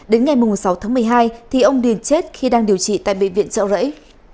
đến ngày sáu một mươi hai ông điền chết khi đang điều trị tại bệnh viện trợ rẫy